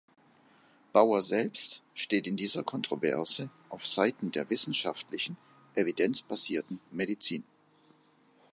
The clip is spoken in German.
Bauer selbst steht in dieser Kontroverse auf Seiten der wissenschaftlichen, evidenzbasierten Medizin.